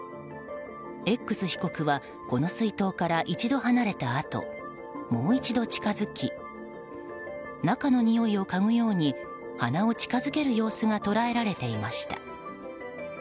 Ｘ被告はこの水筒から一度離れたあともう一度近づき中のにおいをかぐように鼻を近づける様子が捉えられていました。